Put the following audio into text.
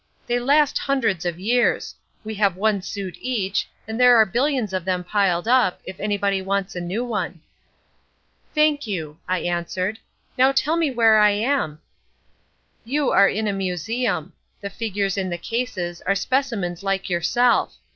"They last hundreds of years. We have one suit each, and there are billions of them piled up, if anybody wants a new one." "Thank you," I answered. "Now tell me where I am?" "You are in a museum. The figures in the cases are specimens like yourself.